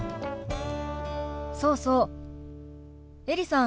そうそうエリさん。